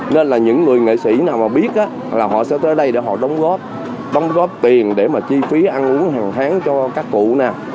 nếu mà biết là họ sẽ tới đây để họ đóng góp đóng góp tiền để mà chi phí ăn uống hàng tháng cho các cụ nè